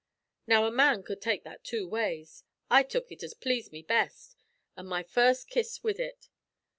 "Now, a man cud take that two ways. I tuk ut as pleased me best, an' my first kiss wid it.